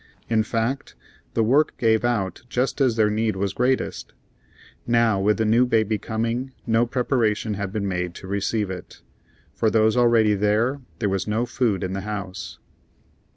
In fact, the work gave out just as their need was greatest. Now, with the new baby coming, no preparation had been made to receive it. For those already there, there was no food in the house.